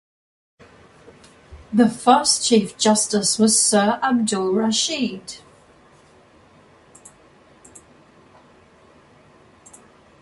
The first Chief Justice was Sir Abdul Rashid.